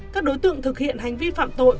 các đối tượng thực hiện hành vi phạm tội